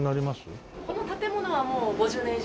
この建物はもう５０年以上。